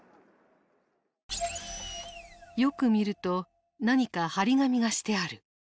よく見ると何か貼り紙がしてある。